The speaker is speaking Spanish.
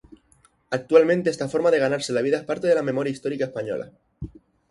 Actualmente esta forma de ganarse la vida es parte de la memoria histórica española.